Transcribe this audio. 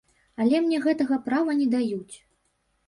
Але мне гэтага права не даюць.